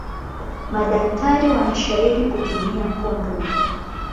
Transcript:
Madaktari wanashairi kutumia kondomu